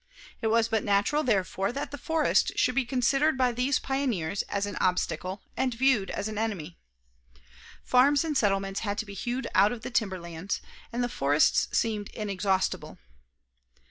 It was but natural, therefore, that the forest should be considered by these pioneers as an obstacle and viewed as an enemy. Farms and settlements had to be hewed out of the timberlands, and the forests seemed inexhaustible.